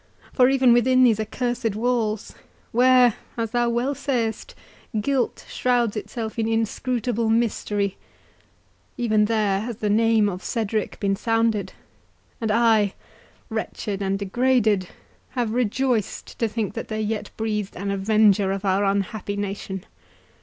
for even within these accursed walls, where, as thou well sayest, guilt shrouds itself in inscrutable mystery, even there has the name of Cedric been sounded—and I, wretched and degraded, have rejoiced to think that there yet breathed an avenger of our unhappy nation.